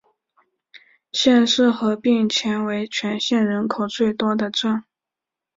县市合并前为全县人口最多的镇。